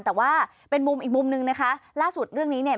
แต่ว่าเป็นมุมอีกมุมนึงนะคะล่าสุดเรื่องนี้เนี่ย